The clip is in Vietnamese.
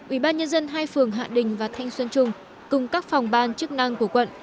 ủy ban nhân dân hai phường hạ đình và thanh xuân trung cùng các phòng ban chức năng của quận